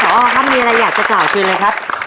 ผอต้องนะครับผอครับมีอะไรอยากจะกล่าวคืนเลยครับ